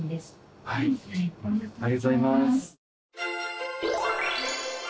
ありがとうございます。